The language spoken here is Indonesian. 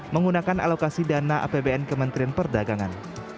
menggunakan alokasi dana apbn kementerian perdagangan